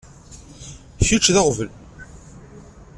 Kečč d aɣbel.